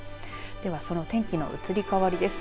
ではその天気の移り変わりです。